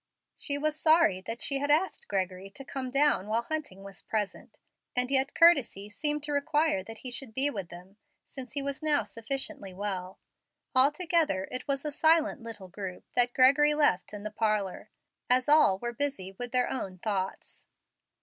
She was sorry that she had asked Gregory to come down while Hunting was present, and yet courtesy seemed to require that he should be with them, since he was now sufficiently well. Altogether it was a silent little group that Gregory left in the parlor, as all were busy with their own thoughts.